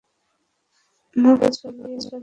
মুভগুলো ঝালিয়ে নিচ্ছি।